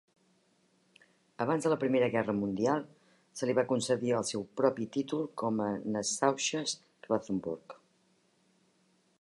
Abans de la Primera Guerra Mundial, se li va concedir el seu propi títol com "Nassauisches Rothenburg".